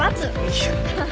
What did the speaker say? いや。